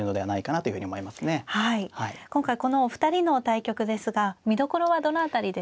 今回このお二人の対局ですが見どころはどの辺りでしょうか。